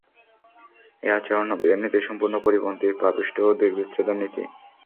এ আচরণ নবীদের নীতির সম্পূর্ণ পরিপন্থী—পাপিষ্ঠ ও দুবৃত্তদের নীতি।